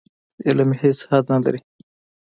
علم هېڅ حد نه لري.